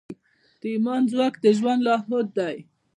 د ایمان ځواک د ژوند لارښود دی.